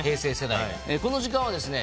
この時間はですね